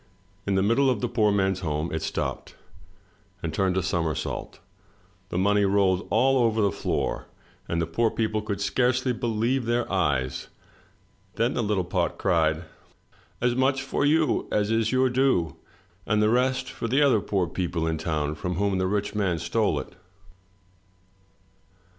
In the middle of the poor man's house it stopped and turned a somersault. The money rolled all over the floor, and the poor people could scarcely believe their eyes. Then the little pot cried: "As much for you as is your due, and the rest for the other poor people in town from whom the rich man stole it."